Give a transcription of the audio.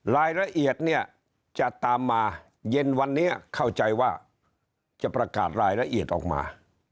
รายละเอียดเนี่ยจะตามมาเย็นวันนี้เข้าใจว่าจะประกาศรายละเอียดออกมา